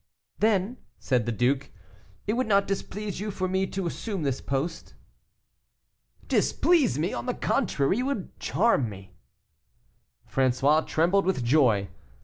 "Then," said the duke, "it would not displease you for me to assume this post?" "Displease me! On the contrary, it would charm me." François trembled with joy.